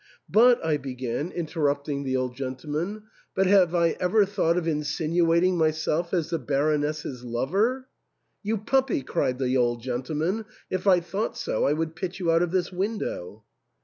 "But," I began, interrupt THE ENTAIL. 24^ ing the old gentleman, " but have I ever thought of in sinuating myself as the Baroness's lover ?"You puppy !" cried the old gentleman, " if I thought so I would pitch you out of this window."